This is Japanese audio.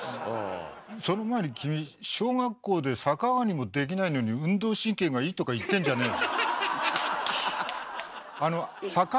その前に君小学校で逆上がりもできないのに運動神経がいいとか言ってんじゃねえ。